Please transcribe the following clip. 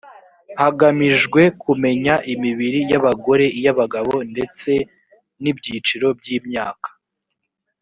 hagamijwe kumenya imibiri y abagore iy abagabo ndetse n ibyiciro by imyaka